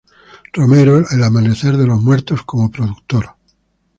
Romero, "El amanecer de los muertos", como productor.